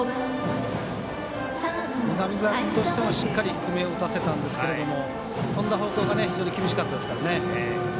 南澤君としても、しっかり低めを打たせたんですが飛んだ方向が非常に厳しかったですね。